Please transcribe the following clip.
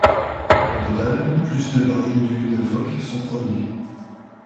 Au total, plus de barils d'huile de phoque sont produits.